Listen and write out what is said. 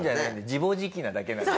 自暴自棄なだけなので。